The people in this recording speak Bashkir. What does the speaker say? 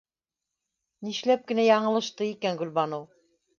Нишләп кенә яңылышты икән Гөлбаныу?